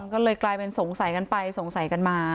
ก็เลยกลายเป็นสงสัยกันไปสงสัยกันมา